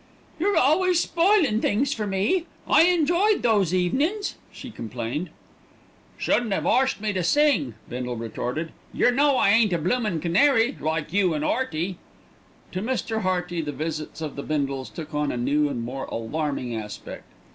"You're always spoilin' things for me. I enjoyed those evenin's," she complained. "Shouldn't have arst me to sing," Bindle retorted. "Yer know I ain't a bloomin' canary, like you and 'Earty." To Mr. Hearty the visits of the Bindles took on a new and more alarming aspect.